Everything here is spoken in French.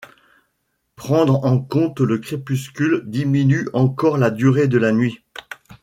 Prendre en compte le crépuscule diminue encore la durée de la nuit.